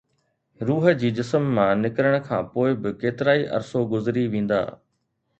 روح جي جسم مان نڪرڻ کان پوءِ به ڪيترائي عرصو گذري ويندا